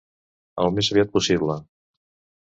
Al més aviat possible.